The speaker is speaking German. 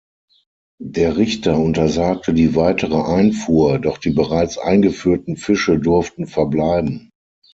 Der Richter untersagte die weitere Einfuhr, doch die bereits eingeführten Fische durften verbleiben.